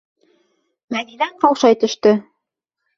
- Мәҙинә ҡаушай төштө.